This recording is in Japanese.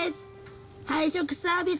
配食サービス